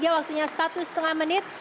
waktunya satu setengah menit